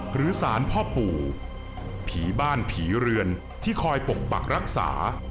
หรือสารพ่อปู่ผีบ้านผีเรือนที่คอยปกปักรักษา